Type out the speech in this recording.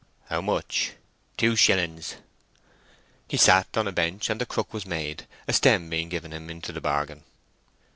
"How much?" "Two shillings." He sat on a bench and the crook was made, a stem being given him into the bargain.